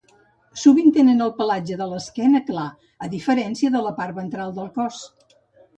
Sovint tenen el pelatge de l'esquena clar, a diferència de la part ventral del cos.